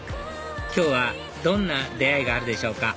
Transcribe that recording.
今日はどんな出会いがあるでしょうか？